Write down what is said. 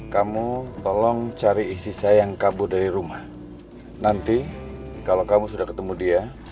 kamu tolong cari istri saya yang kabur dari rumah nanti kalau kamu sudah ketemu dia